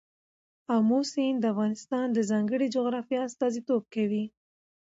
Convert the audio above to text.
آمو سیند د افغانستان د ځانګړي جغرافیه استازیتوب کوي.